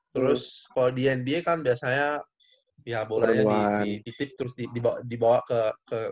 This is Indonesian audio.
terus kalau di nba kan biasanya ya bolanya dititip terus dibawa ke